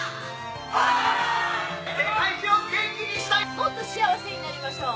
もっと幸せになりましょう。